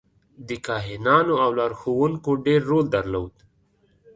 د کاهنانو او لارښوونکو ډېر رول درلود.